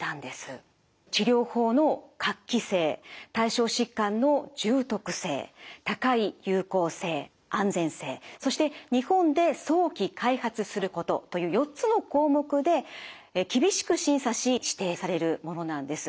治療法の画期性対象疾患の重篤性高い有効性・安全性そして日本で早期開発することという４つの項目で厳しく審査し指定されるものなんです。